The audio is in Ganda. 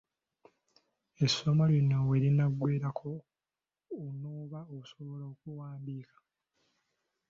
Essomo lino we linaggweerako onooba osobola okuwandiika?